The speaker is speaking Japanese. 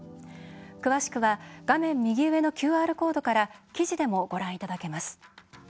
詳しくは画面右上のＱＲコードから記事でも、ご覧いただけます。